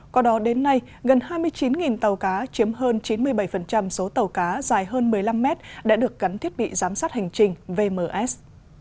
có đó đến nay gần hai mươi chín tàu cá chiếm hơn chín mươi bảy số tàu cá dài hơn một mươi năm mét đã được gắn thiết bị giám sát hành trình vms